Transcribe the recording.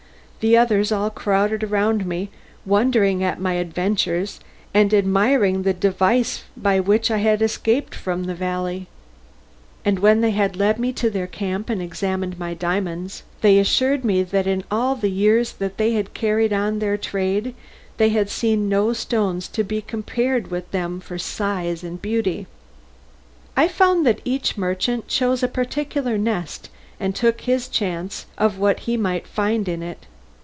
The others all crowded round me, wondering at my adventures and admiring the device by which I had escaped from the valley, and when they had led me to their camp and examined my diamonds, they assured me that in all the years that they had carried on their trade they had seen no stones to be compared with them for size and beauty. I found that each merchant chose a particular nest, and took his chance of what he might find in it.